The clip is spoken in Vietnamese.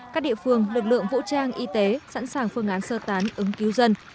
các địa phương lực lượng vũ trang y tế sẵn sàng phương án sơ tán ứng cứu dân